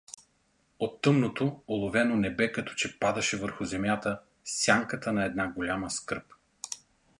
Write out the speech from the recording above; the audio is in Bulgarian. Ог тъмното, оловено небе като че падаше върху земята сянката на една голяма скръб.